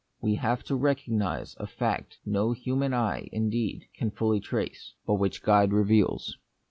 We have to recognise a fact no human eye, indeed, can fully trace, but which God reveals.